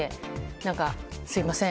何か、すみません。